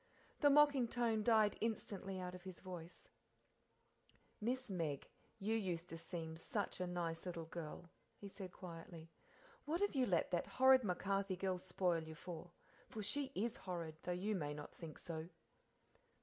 The mocking tone died instantly out of his voice, "Miss Meg, you used to seem such a nice little girl," he said quietly; "what have you let that horrid MacCarthy girl spoil you for? For she is horrid, though you may not think so."